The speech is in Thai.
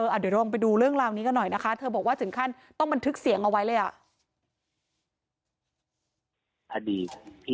เดี๋ยวลองไปดูเรื่องราวนี้กันหน่อยนะคะเธอบอกว่าถึงขั้นต้องบันทึกเสียงเอาไว้เลยอ่ะ